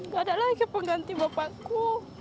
gak ada lagi pengganti bapakku